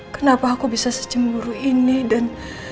kenapa aku bisa secemburu ini dan